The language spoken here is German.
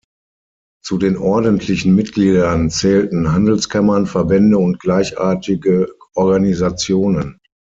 Zu den ordentlichen Mitgliedern zählten Handelskammern, Verbände und gleichartige Organisationen.